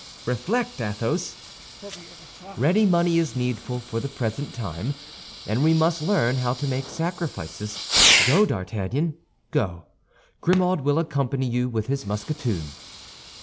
"Reflect, Athos!" "Ready money is needful for the present time, and we must learn how to make sacrifices. Go, D'Artagnan, go; Grimaud will accompany you with his musketoon."